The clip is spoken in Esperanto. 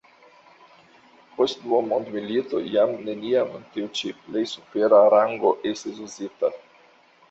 Post dua mondmilito jam neniam tiu ĉi plej supera rango estis uzita.